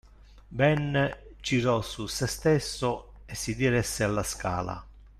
Ben girò su se stesso e si diresse alla scala.